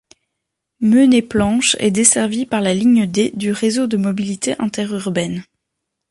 Meunet-Planches est desservie par la ligne D du Réseau de mobilité interurbaine.